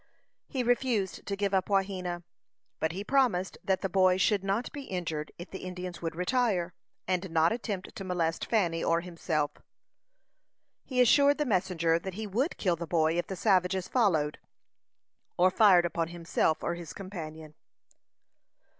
He refused to give up Wahena, but he promised that the boy should not be injured if the Indians would retire, and not attempt to molest Fanny or himself. He assured the messenger that he would kill the boy if the savages followed, or fired upon himself or his companion.